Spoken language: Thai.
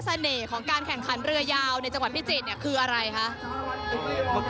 ของการแข่งขันเรือยาวในจังหวัดพิจิตรเนี่ยคืออะไรคะ